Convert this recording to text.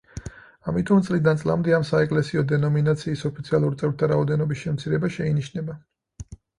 ამიტომ წლიდან წლამდე ამ საეკლესიო დენომინაციის ოფიციალურ წევრთა რაოდენობის შემცირება შეინიშნება.